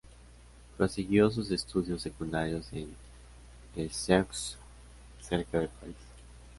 Prosiguió sus estudios secundarios en Sceaux cerca de París.